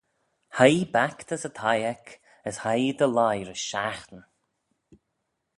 Hie ee back dys y thie eck as hie ee dy lhie rish shiaghtin.